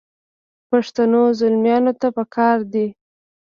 پښتنو زلمیانو ته پکار دي.